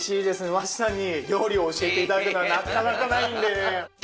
和知さんに料理を教えていただくのはなかなかないんでね